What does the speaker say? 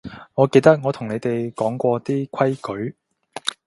我記得我同你哋講過啲規矩